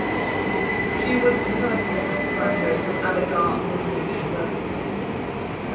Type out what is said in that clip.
She was the first woman to graduate from Aligarh Muslim University.